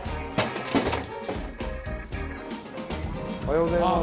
おはようございます。